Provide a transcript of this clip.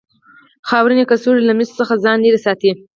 خاورینې کڅوړې له مسو څخه ځان لرې ساته.